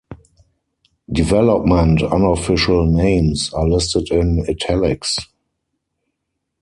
Development unofficial names are listed in italics.